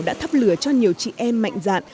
đã thắp lửa cho nhiều chị em mạnh dạn